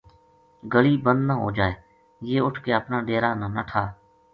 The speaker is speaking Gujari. گلی بند نہ ہو جائے یہ اُٹھ کے اپنا ڈیرا تا نٹھا